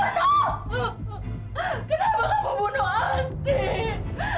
kenapa kamu bunuh astrid